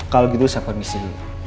kalau gitu saya permisi dulu